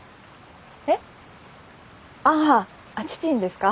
えっああ父にですか？